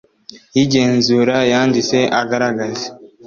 y igenzura yanditse agaragaza